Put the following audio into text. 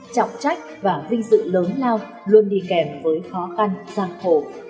chọc trách và vinh dự lớn lao luôn đi kèm với khó khăn giang thổ